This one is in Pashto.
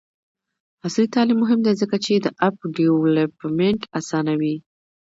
عصري تعلیم مهم دی ځکه چې د اپ ډیولپمنټ اسانوي.